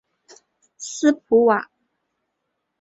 斯普瓦。